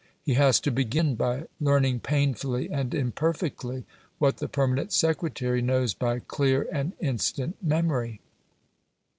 He has to begin by learning painfully and imperfectly what the permanent secretary knows by clear and instant memory.